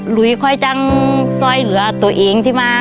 ลุยค่อยจังซอยเหลือตัวเองที่มา